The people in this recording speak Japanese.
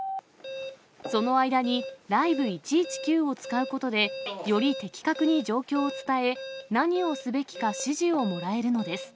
その間に、Ｌｉｖｅ１１９を使うことで、より的確に状況を伝え、何をすべきか指示をもらえるのです。